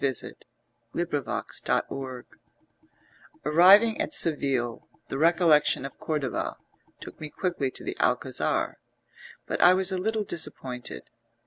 XII [Sidenote: The Alcazar] Arriving at Seville the recollection of Cordova took me quickly to the Alcazar; but I was a little disappointed.